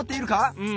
うん。